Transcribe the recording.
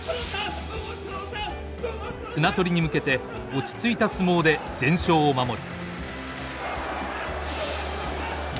綱取りに向けて落ち着いた相撲で全勝を守る。